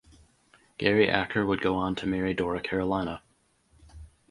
Gary Acker would go on to marry Dora Carolina.